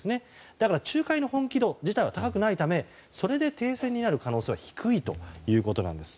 だから仲介の本気度自体は高くないのでそれで停戦になる可能性は低いということなんです。